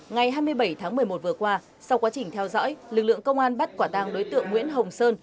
ngày hai mươi bảy tháng một mươi một vừa qua sau quá trình theo dõi lực lượng công an bắt quả tàng đối tượng nguyễn hồng sơn